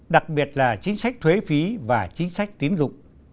đặc biệt là chính sách thuế phí và chính sách tín dụng